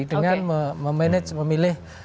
dengan memanage memilih